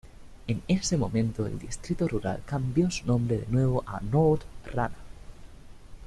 En ese momento, el distrito rural cambió su nombre de nuevo a Nord-Rana.